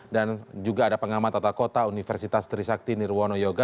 dan juga ada pengamat tata kota universitas trisakti nirwono yoga